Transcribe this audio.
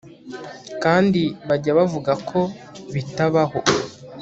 Kandi bajya bavuga ko bitabaho